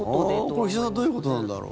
これ、岸田さんどういうことなんだろう？